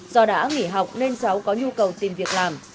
do đã nghỉ học nên cháu có nhu cầu tìm việc làm